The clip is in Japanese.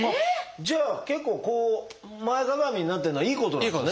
じゃあ結構前かがみになってるのはいいことなんですね。